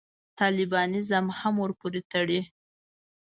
طالبانیزم هم ورپورې تړي.